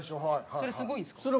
それすごいんですか？